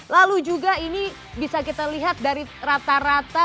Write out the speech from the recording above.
lalu juga ini bisa kita lihat dari rata rata